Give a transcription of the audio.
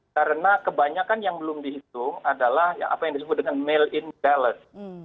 karena kebanyakan yang belum dihitung adalah apa yang disebut dengan mail in ballot